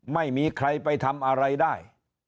ไม่มีใครไปทำอะไรได้